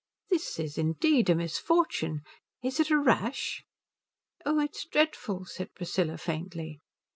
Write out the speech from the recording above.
"That is indeed a misfortune. It is a rash?" "Oh, it's dreadful," said Priscilla, faintly.